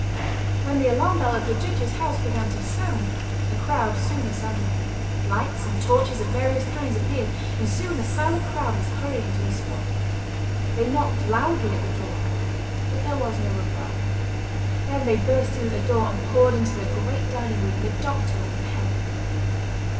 When the alarm bell of the Judge's House began to sound a crowd soon assembled. Lights and torches of various kinds appeared, and soon a silent crowd was hurrying to the spot. They knocked loudly at the door, but there was no reply. Then they burst in the door, and poured into the great dining room, the doctor at the head.